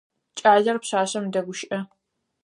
Кӏалэр пшъашъэм дэгущыӏэ.